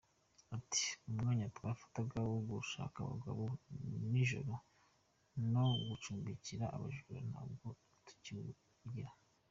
Ati″Umwanya twafataga wo gushaka abagabo nijoro no gucumbikira abajura ntabwo tukiwugira.